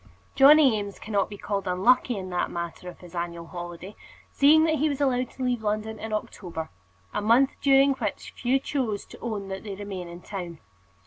Johnny Eames cannot be called unlucky in that matter of his annual holiday, seeing that he was allowed to leave London in October, a month during which few chose to own that they remain in town.